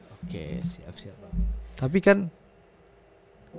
oke siap siap pak prabowo